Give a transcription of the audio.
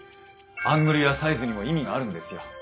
アングルやサイズにも意味があるんですよ。